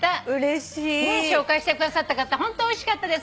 紹介してくださった方ホントおいしかったです。